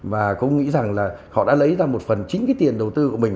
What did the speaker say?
và cũng nghĩ rằng là họ đã lấy ra một phần chính cái tiền đầu tư của mình